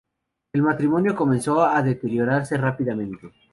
El matrimonio comenzó a deteriorarse rápidamente.